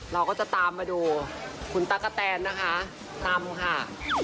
เราก็จะตามมาดูคุณตะกะแตนนะคะตามคุณค่ะ